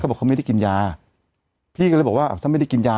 บอกเขาไม่ได้กินยาพี่ก็เลยบอกว่าถ้าไม่ได้กินยา